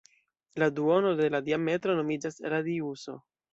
La duono de la diametro nomiĝas radiuso.